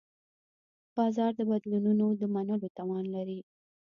بازار د بدلونونو د منلو توان لري.